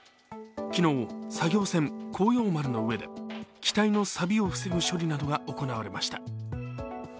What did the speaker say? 昨日、作業船「航洋丸」の上で機体のさびを防ぐ処理などが行われました。